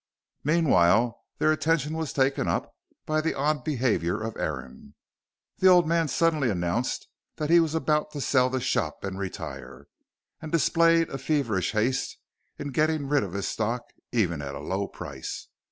Meanwhile, their attention was taken up by the odd behavior of Aaron. The old man suddenly announced that he was about to sell the shop and retire, and displayed a feverish haste in getting rid of his stock, even at a low price.